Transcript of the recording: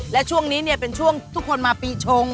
และช่วงนี้เนี่ยเป็นช่วงทุกคนมาปีชง